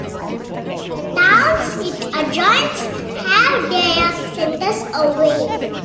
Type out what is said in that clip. The towns it adjoins have their centres away.